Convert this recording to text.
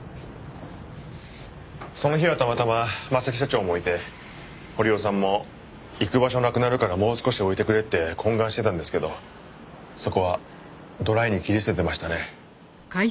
その日はたまたま征木社長もいて堀尾さんも行く場所なくなるからもう少し置いてくれって懇願してたんですけどそこはドライに切り捨ててましたね。